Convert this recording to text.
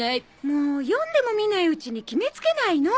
もう読んでもみないうちに決めつけないの。